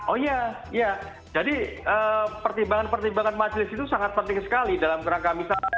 oh iya iya jadi pertimbangan pertimbangan masjid itu sangat penting sekali dalam rangka misalnya